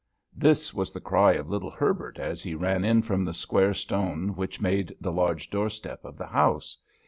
This was the cry of little Herbert as he ran in from the square stone which made the large doorstep of the house.